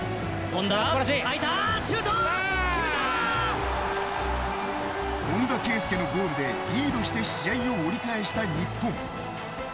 本田圭佑のゴールでリードして試合を折り返した日本。